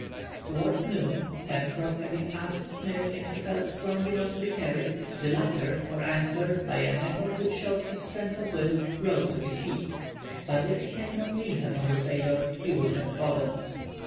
Towards noon, Pencroff having asked Smith if he felt strong enough to be carried, the latter, for answer, by an effort which showed his strength of will, rose to his feet. But if he had not leaned upon the sailor he would have fallen.